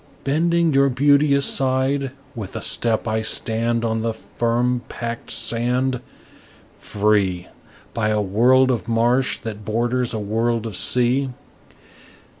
Bending your beauty aside, with a step I stand On the firm packed sand, Free By a world of marsh that borders a world of sea.